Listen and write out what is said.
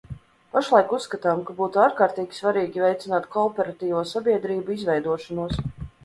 Pašlaik uzskatām, ka būtu ārkārtīgi svarīgi veicināt kooperatīvo sabiedrību izveidošanos.